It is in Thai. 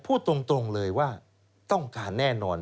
พูดตรงเลยว่าต้องการแน่นอน